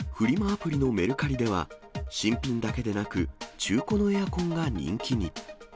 アプリのメルカリでは、新品だけでなく、中古のエアコンが人気に。